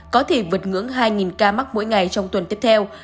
có thể vượt ngưỡng hai ca mắc mỗi ngày trong tuần tiếp theo